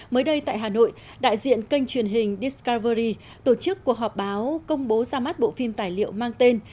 mới đây tại hà nội đại diện kênh truyền hình diescavery tổ chức cuộc họp báo công bố ra mắt bộ phim tài liệu mang tên